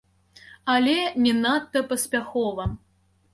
Але не надта паспяхова.